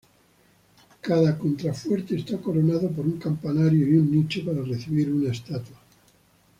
Cada contrafuerte está coronado por un campanario y un nicho para recibir una estatua.